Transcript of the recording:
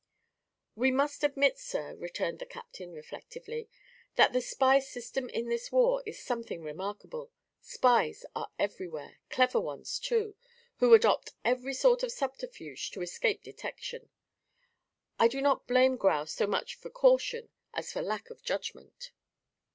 "We must admit, sir," returned the captain, reflectively, "that the spy system in this war is something remarkable. Spies are everywhere; clever ones, too, who adopt every sort of subterfuge to escape detection. I do not blame Grau so much for caution as for lack of judgment."